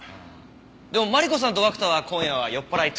でもマリコさんと涌田は今夜は酔っ払いトゥナイトしよ？